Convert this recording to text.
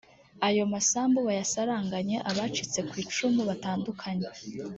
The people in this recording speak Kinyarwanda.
ayo masambu bayasaranganye abacitse ku icumu batandukanye